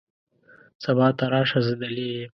سبا ته راشه ، زه دلې یم .